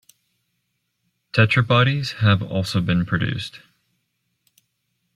"Tetrabodies" have also been produced.